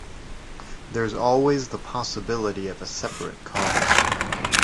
There's always the possibility of a separate cause.